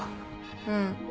うん。